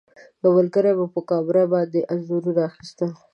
یو ملګري مو په کامره باندې انځورونه اخیستل.